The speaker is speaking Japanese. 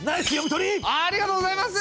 ありがとうございます！